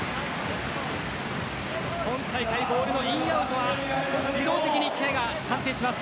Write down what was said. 今大会ボールのイン、アウトは自動的に機械が判定します。